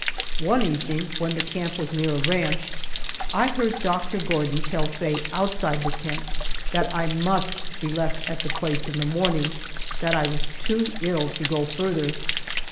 One evening when the camp was near a ranch, I heard Doctor Gordon tell Faye outside the tent that I must be left at the place in the morning, that I was too ill to go farther!